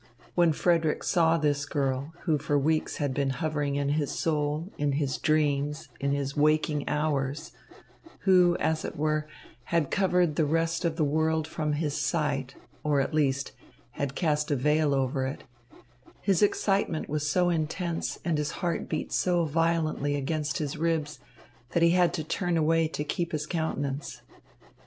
When Frederick saw this girl, who for weeks had been hovering in his soul, in his dreams, in his waking hours, who, as it were, had covered the rest of the world from his sight, or, at least, had cast a veil over it, his excitement was so intense and his heart beat so violently against his ribs that he had to turn away to keep his countenance.